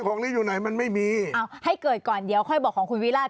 ของนี้อยู่ไหนมันไม่มีเอาให้เกิดก่อนเดี๋ยวค่อยบอกของคุณวิราช